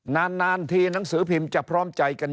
นานทีหนังสือพิมพ์จะพร้อมใจกัน